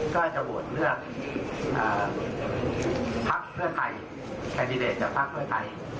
ก็จะโหวนเลือกอ่าพักเพื่อใครจะพักเพื่อใคร